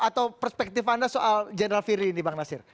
atau perspektif anda soal general firly ini bang nasir